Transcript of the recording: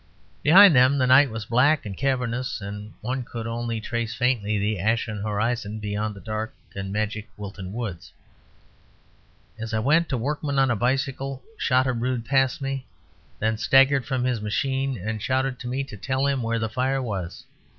Behind them the night was black and cavernous; and one could only trace faintly the ashen horizon beyond the dark and magic Wilton Woods. As I went, a workman on a bicycle shot a rood past me; then staggered from his machine and shouted to me to tell him where the fire was.